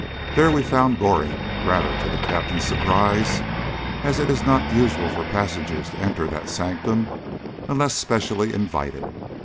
There we found Goring, rather to the Captain's surprise, as it is not usual for passengers to enter that sanctum unless specially invited.